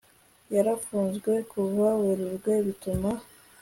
yarafunzwe kuva werurwe bituma